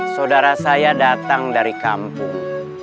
saudara saya datang dari kampung